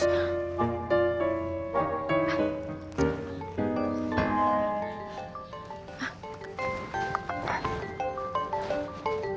nah ini udah berhasil